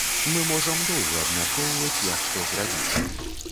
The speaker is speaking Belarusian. Мы можам доўга абмяркоўваць, як што зрабіць.